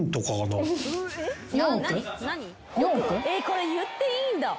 これ言っていいんだ。